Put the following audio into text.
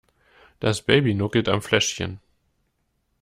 Das Baby nuckelt am Fläschchen.